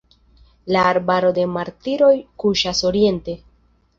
La arbaro de la martiroj kuŝas oriente.